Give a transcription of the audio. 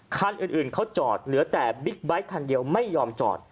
คันอื่นเขาจอดเหลือแต่บิ๊กไบท์คันเดียวไม่ยอมจอด